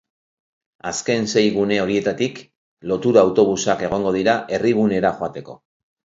Azken sei gune horietatik lotura-autobusak egongo dira herri-gunera joateko.